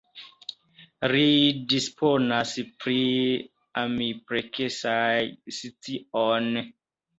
Li disponas pri ampleksan scion.